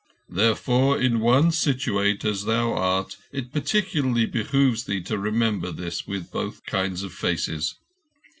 "Therefore, in one situate as thou art, it particularly behoves thee to remember this with both kinds of faces.